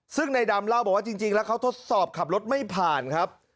ซึ่งในดำเล่าบอกว่าจริงแล้วเขาทดสอบขับรถไม่ผ่านครับ